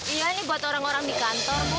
iya ini buat orang orang di kantor bu